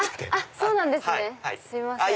そうなんですねすいません。